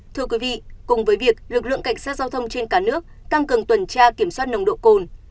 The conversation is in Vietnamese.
thưa quý vị cùng với việc lực lượng cảnh sát giao thông trên cả nước tăng cường tuần tra kiểm soát nồng độ cồn